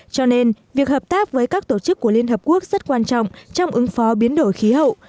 cho nên việc hợp tác với các tổ chức của liên hợp quốc rất quan trọng trong ứng phó biến đổi khí hậu